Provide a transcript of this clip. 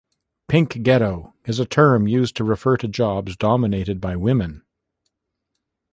Pink ghetto is a term used to refer to jobs dominated by women.